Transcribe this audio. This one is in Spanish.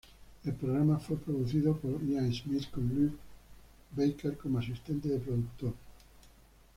El programa fue producido por Ian Smith con Luke Baker como asistente de productor.